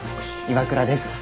岩倉です。